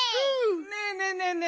ねえねえねえねえ